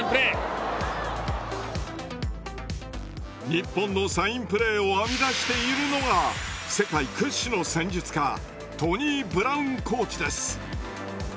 日本のサインプレーを編み出しているのが世界屈指の戦術家トニー・ブラウンコーチです。